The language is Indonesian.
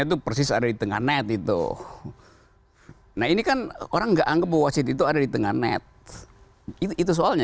itu persis ada di tengah net itu nah ini kan orang enggak anggap wasit itu ada di tengah net itu soalnya